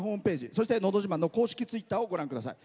そして「のど自慢」の公式ツイッターをご覧ください。